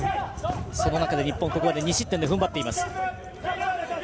その中で日本ここまで２失点で踏ん張っています。